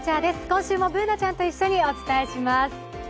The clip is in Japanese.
今週もＢｏｏｎａちゃんと一緒にお伝えします。